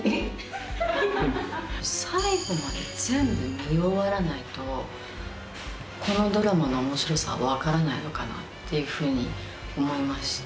最後まで全部見終わらないとこのドラマの面白さは分からないのかなっていうふうに思いましたね。